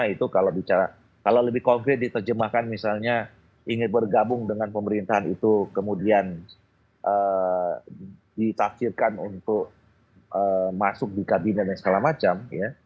itu kalau bicara kalau lebih konkret diterjemahkan misalnya ingin bergabung dengan pemerintahan itu kemudian ditafsirkan untuk masuk di kabinet dan segala macam